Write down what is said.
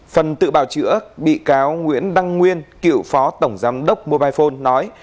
phần tự bào chữa bị cáo nguyễn đăng nguyên cựu phó tổng giám đốc mobile phone nói